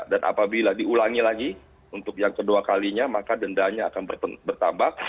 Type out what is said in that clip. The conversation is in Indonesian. dan apabila diulangi lagi untuk yang kedua kalinya maka dendanya akan bertambah